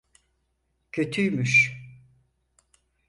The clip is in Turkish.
Kötüymüş.